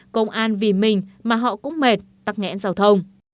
công an vì mình mà họ cũng mệt tắc nghẽn giao thông